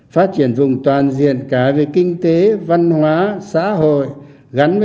phát triển vùng toàn diện cả về kinh tế văn hóa